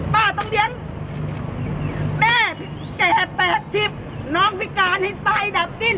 ป้าต้องเดี๋ยวแม่เจ็บแปดสิบน้องพิการให้ตายดับดิ้น